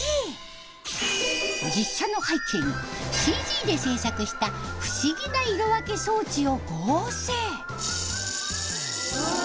実写の背景にＣＧで制作した不思議な色分け装置を合成。